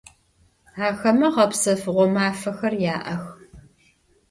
Ахэмэ гъэпсэфыгъо мафэхэр яӏэх.